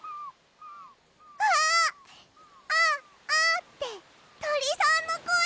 ああ「アア」ってとりさんのこえ。